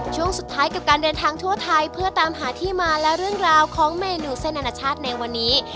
ช่วงสุดท้ายกับการเดินทางทั่วไทยเพื่อตามหาที่มาและเรื่องราวของเมนูเส้นอนาชาติในวันนี้